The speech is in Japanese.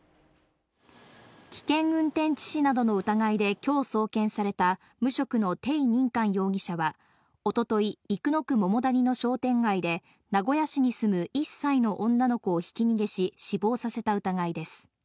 危険運転致死などの疑いできょう送検された、無職のテイ・ニンカン容疑者は、おととい、生野区桃谷の商店街で、名古屋市に住む１歳の女の子をひき逃げし、死亡させた疑いです。